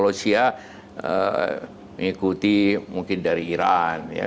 kalau asia mengikuti mungkin dari iran